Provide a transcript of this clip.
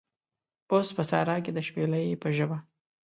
اوس په سارا کې د شپیلۍ په ژبه